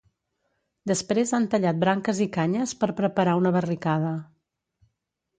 Després han tallat branques i canyes per preparar una barricada.